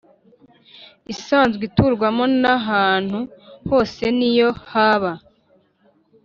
isanzwe iturwamo n ahantu hose n iyo haba